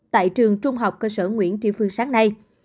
tại trường trung học cơ sở nguyễn thị phương sáng nay